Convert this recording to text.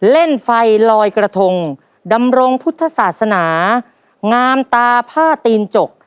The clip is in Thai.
เล่นไฟลอยกระทงดำรงพุทธศาสนางามตาผ้าตีนจก